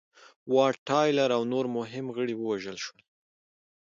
واټ تایلور او نور مهم غړي ووژل شول.